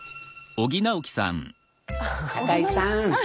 高井さん